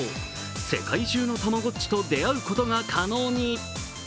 世界中のたまごっちと出会うことが可能に。